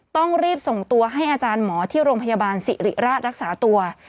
ต้องรีบส่งตัวให้อาจารย์หมอที่โรงพยาบาลสิริราชรักษาตัว